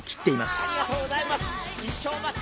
ありがとうございます。